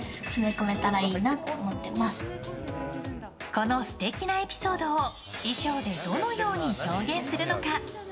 この素敵なエピソードを衣装でどのように表現するのか。